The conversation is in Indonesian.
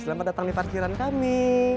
selamat datang di parkiran kami